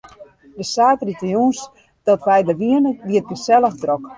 De saterdeitejûns dat wy der wiene, wie it gesellich drok.